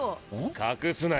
隠すなよ。